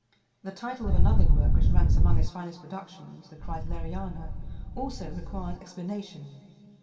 The title of another work which ranks among his finest productions, the "Kreisleriana," also requires explanation.